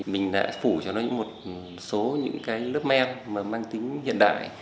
mình đã phủ cho nó một số những cái lớp me mang tính hiện đại